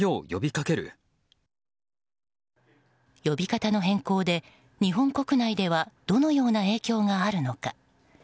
呼び方の変更で日本国内ではどのような影響があるのか。